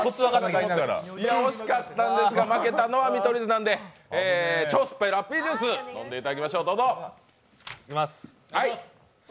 惜しかったんですが負けたのは見取り図なんで超酸っぱいラッピージュースを飲んでいただきましょう。